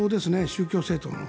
宗教政党の。